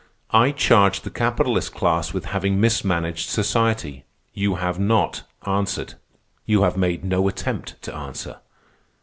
I charged the capitalist class with having mismanaged society. You have not answered. You have made no attempt to answer.